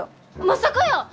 まさかやー！